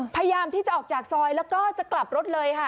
พยายามที่จะออกจากซอยแล้วก็จะกลับรถเลยค่ะ